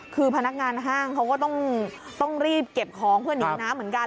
คือพนักงานห้างเขาก็ต้องรีบเก็บของเพื่อหนีน้ำเหมือนกัน